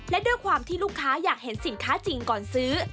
และด้วยความที่ลูกค้าอยากเห็นสินค้าจริงก่อนซื้อ